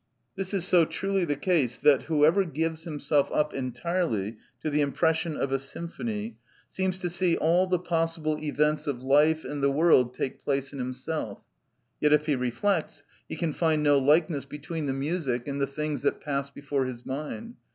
This is so truly the case, that whoever gives himself up entirely to the impression of a symphony, seems to see all the possible events of life and the world take place in himself, yet if he reflects, he can find no likeness between the music and the things that passed before his mind.